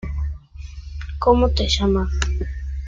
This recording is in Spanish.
Por cada Diputado Propietario se elegirá un Suplente.